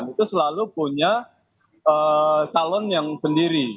itu selalu punya calon yang sendiri